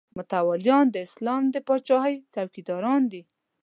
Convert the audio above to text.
متولیان د اسلام د پاچاهۍ څوکیداران دي.